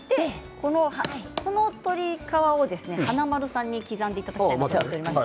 この鶏皮を華丸さんに刻んでいただきたいと思います。